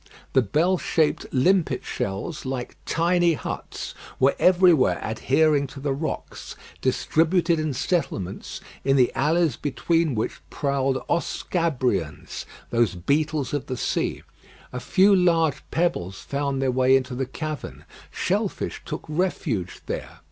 The bell shaped limpet shells, like tiny huts, were everywhere adhering to the rocks, distributed in settlements, in the alleys between which prowled oscabrions, those beetles of the sea. A few large pebbles found their way into the cavern; shell fish took refuge there.